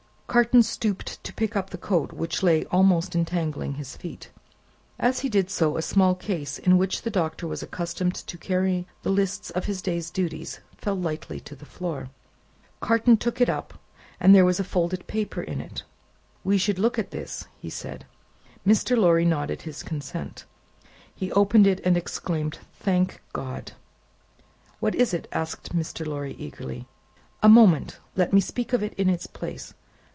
Carton stooped to pick up the coat, which lay almost entangling his feet. As he did so, a small case in which the Doctor was accustomed to carry the lists of his day's duties, fell lightly on the floor. Carton took it up, and there was a folded paper in it. "We should look at this!" he said. Mr. Lorry nodded his consent. He opened it, and exclaimed, "Thank God!" "What is it?" asked Mr. Lorry, eagerly. "A moment! Let me speak of it in its place.